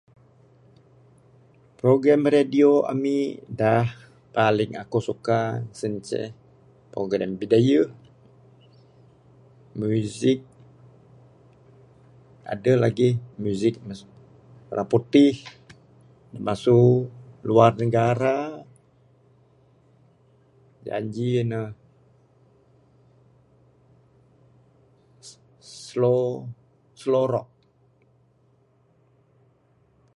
Program radio amik da paling akuk suka, sien ceh program bidayuh. Muzik, aduh lagi. Muzik mas raputih, masu luar negara. Janji ne slow, slow rock.